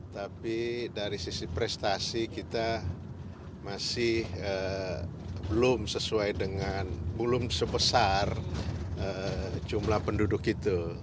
tapi dari sisi prestasi kita masih belum sesuai dengan belum sebesar jumlah penduduk itu